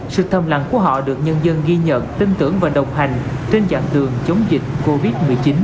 sự thầm lặng của họ được nhân dân ghi nhận tin tưởng và đồng hành trên chặng đường chống dịch covid một mươi chín